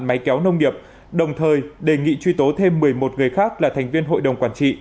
máy kéo nông nghiệp đồng thời đề nghị truy tố thêm một mươi một người khác là thành viên hội đồng quản trị